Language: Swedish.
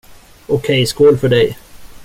Okej, skål för dig.